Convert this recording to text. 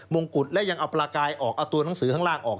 งกุฎและยังเอาปลากายออกเอาตัวหนังสือข้างล่างออก